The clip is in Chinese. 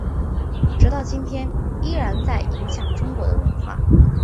直到今天依然在影响中国的文化。